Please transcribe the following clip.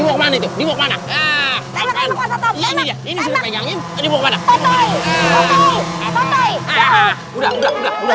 udah udah udah